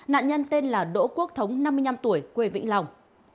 nạn nhân tên là đỗ quốc thống năm mươi năm tuổi quê vĩnh long